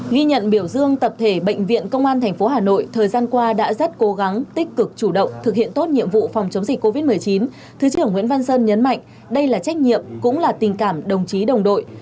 ghi nhận biểu dương tập thể bệnh viện công an tp hà nội thời gian qua đã rất cố gắng tích cực chủ động thực hiện tốt nhiệm vụ phòng chống dịch covid một mươi chín thứ trưởng nguyễn văn sơn nhấn mạnh đây là trách nhiệm cũng là tình cảm đồng chí đồng đội